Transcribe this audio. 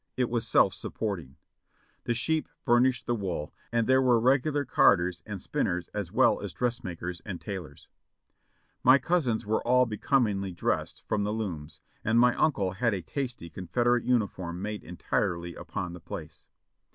It was self supporting. The sheep furnished the wool, and there were regular carders and spinners as well as dressmakers and tailors. My cousins were all becomingly dressed from the looms, and my uncle had a tasty Confederate uniform made entirely upon the place.